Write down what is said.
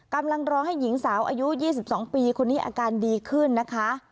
กำลังรอให้หญิงสาวอายุ๒๒ปีคนนี้อาการดีขึ้นนะคะ